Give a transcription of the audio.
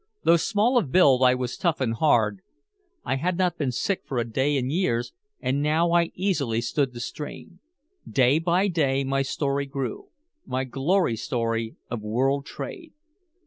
Though small of build I was tough and hard, I had not been sick for a day in years, and now I easily stood the strain. Day by day my story grew, my glory story of world trade.